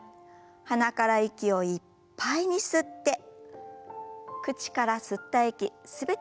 鼻から息をいっぱいに吸って口から吸った息全て吐き出しましょう。